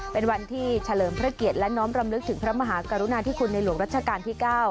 เป็นวันที่เฉลิมพระเกียรติและน้อมรำลึกถึงพระมหากรุณาธิคุณในหลวงรัชกาลที่๙